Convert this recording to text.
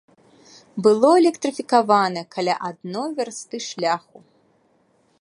Было электрыфікавана каля адной вярсты шляху.